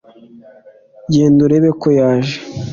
genda urebeko yaje